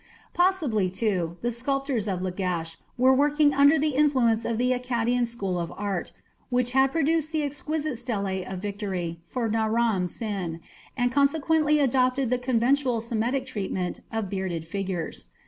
Possibly, too, the sculptors of Lagash were working under the influence of the Akkadian school of art, which had produced the exquisite stele of victory for Naram Sin, and consequently adopted the conventional Semitic treatment of bearded figures.